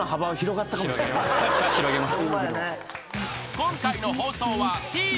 広げます。